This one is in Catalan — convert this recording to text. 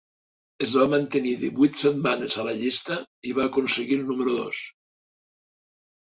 Es va mantenir divuit setmanes a la llista i va aconseguir el número dos.